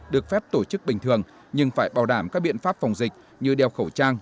được phép tổ chức bình thường nhưng phải bảo đảm các biện pháp phòng dịch như đeo khẩu trang